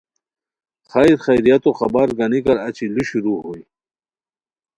خیر خیریتو خبر گانیکار اچی لو شروع ہوئے